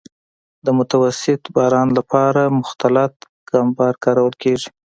د متوسط باران لپاره مختلط کمبر کارول کیږي